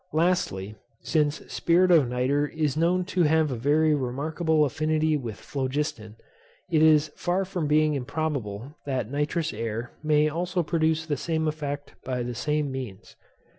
Lastly, since spirit of nitre is known to have a very remarkable affinity with phlogiston, it is far from being improbable that nitrous air may also produce the same effect by the same means.